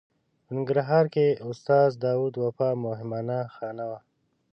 په ننګرهار کې د استاد داود وفا مهمانه خانه وه.